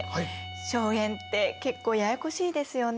荘園って結構ややこしいですよね？